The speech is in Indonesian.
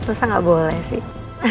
terserah nggak boleh sih